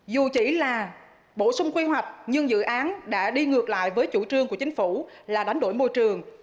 dù chỉ là bổ sung quy hoạch nhưng dự án đã đi ngược lại với chủ trương của chính phủ là đánh đổi môi trường